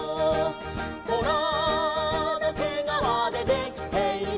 「トラのけがわでできている」